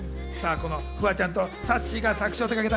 フワちゃんとさっしーが作詞を手がけた＝